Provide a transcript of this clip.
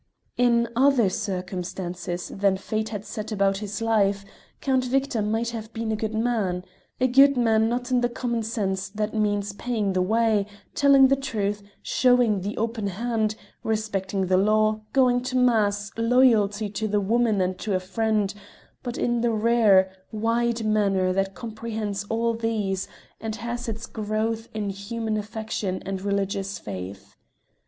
In other circumstances than fate had set about his life, Count Victor might have been a good man a good man not in the common sense that means paying the way, telling the truth, showing the open hand, respecting the law, going to Mass, loyalty to the woman and to a friend, but in the rare, wide manner that comprehends all these, and has its growth in human affection and religious faith.